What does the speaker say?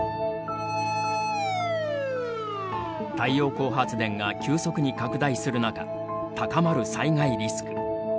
太陽光発電が急速に拡大する中高まる災害リスク。